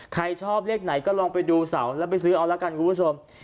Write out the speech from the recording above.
ใครชอบเลขไหนก็ลองไปดูเสาแล้วไปซื้อเอาละกันคุณผู้ชม